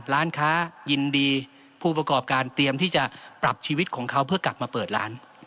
ร้านค้ายินดีผู้ประกอบการเตรียมที่จะปรับชีวิตของเขาเพื่อกลับมาเปิดร้าน